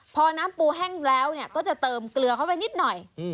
พอน้ำปูแห้งแล้วก็จะเติมเกลือเข้าไปนิดหน่อย